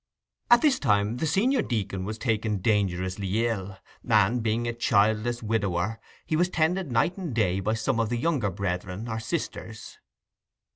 At this time the senior deacon was taken dangerously ill, and, being a childless widower, he was tended night and day by some of the younger brethren or sisters.